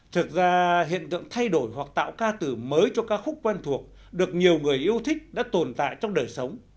thực ra hiện tượng thay đổi hoặc tạo ca từ mới cho ca khúc quen thuộc được nhiều người yêu thích đã tồn tại trong đời sống